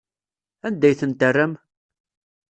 Anda ay ten-terram?